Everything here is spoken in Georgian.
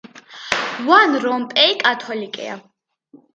ვან რომპეი კათოლიკეა.